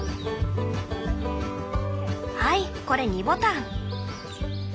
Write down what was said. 「はいこれ２ボタン」。